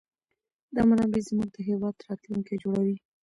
دا منابع زموږ د هېواد راتلونکی جوړوي.